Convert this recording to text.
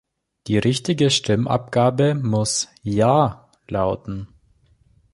Die richtige Stimmabgabe muss "Ja" lauten.